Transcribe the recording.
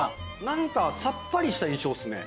なんかさっぱりした印象ですね。